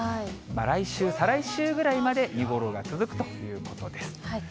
来週、再来週ぐらいまで見頃が続くということです。